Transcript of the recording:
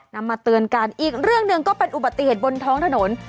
นำมาเตือนกันอีกเรื่องหนึ่งก็เป็นอุบัติเหตุบนท้องถนน